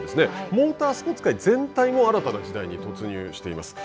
モータースポーツ界全体も新たな時代に突入しています。